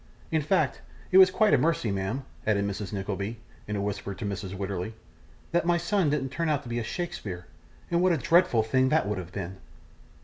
In fact, it was quite a mercy, ma'am,' added Mrs. Nickleby, in a whisper to Mrs. Wititterly, 'that my son didn't turn out to be a Shakespeare, and what a dreadful thing that would have been!